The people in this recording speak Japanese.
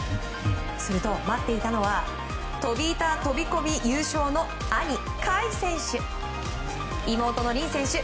すると待っていたのは飛板飛込優勝の兄・快選手。